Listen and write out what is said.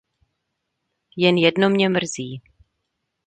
Jen jedno mě mrzí.